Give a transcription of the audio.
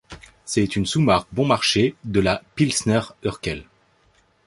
C'est une sous-marque bon marché de la Pilsner Urquell.